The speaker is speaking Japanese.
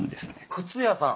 靴屋さん。